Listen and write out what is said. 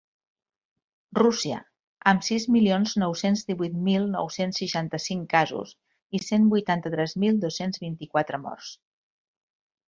Rússia, amb sis milions nou-cents divuit mil nou-cents seixanta-cinc casos i cent vuitanta-tres mil dos-cents vint-i-quatre morts.